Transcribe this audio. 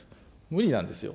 無理なんですよ。